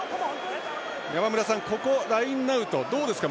山村さん、ここラインアウトどうですか。